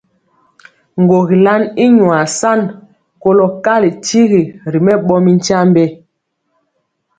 Ŋgogilan i nwaa san kolɔ kali kyigi ri mɛɓɔ mi nkyambe.